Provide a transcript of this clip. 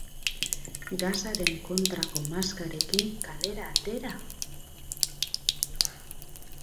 Gasaren kontrako maskarekin kalera atera?